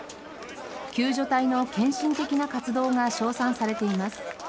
救助隊の献身的な活動が称賛されています。